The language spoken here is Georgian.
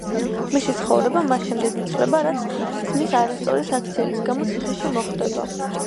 მისი ცხოვრება მას შემდეგ იცვლება, რაც ძმის არასწორი საქციელის გამო ციხეში მოხვდება.